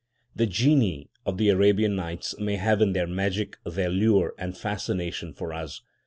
The genii of the Arabian Nights may have in their magic their lure and fascination for us.